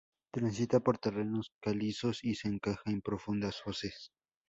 Transita por terrenos calizos y se encaja en profundas hoces.